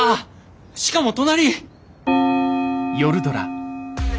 しかも隣！